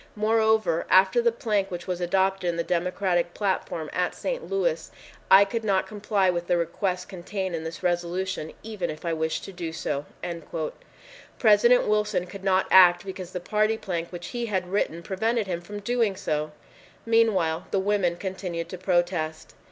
Moreover, after the plank which was adopted in the Democratic platform at St. Louis, I could not comply with the request contained in this resolution even if I wished to do so." President Wilson could not act because the party plank which he had written prevented him from doing so! Meanwhile the women continued to protest.